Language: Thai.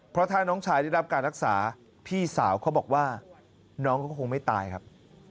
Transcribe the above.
เพราะถ้าน้องชายได้รับการรักษาพี่สาวเขาบอกว่าน้องก็คงไม่ตายครับ